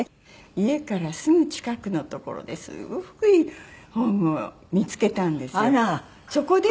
家からすぐ近くの所ですごくいいホームを見付けたんですよ。